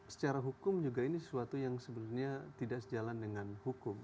secara hukum juga ini sesuatu yang sebenarnya tidak sejalan dengan hukum